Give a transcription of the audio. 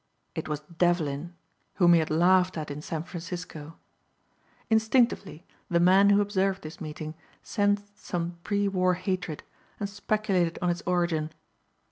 It was Devlin whom he had laughed at in San Francisco. Instinctively the men who observed this meeting sensed some pre war hatred and speculated on its origin.